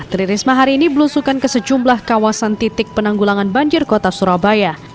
tri risma hari ini belusukan ke sejumlah kawasan titik penanggulangan banjir kota surabaya